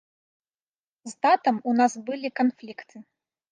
З татам у нас былі канфлікты.